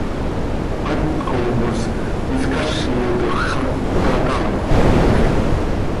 Haptco mos cöiscázitoj xah taa tamjöc, yoque.